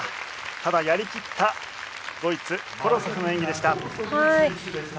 ただやりきったドイツコロソフの演技でした。